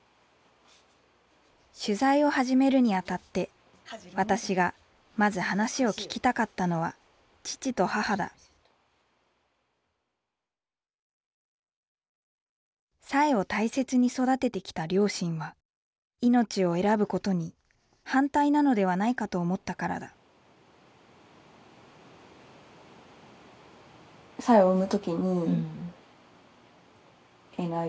取材を始めるにあたって私がまず話を聞きたかったのは父と母だ彩英を大切に育ててきた両親は命を選ぶことに反対なのではないかと思ったからだえっ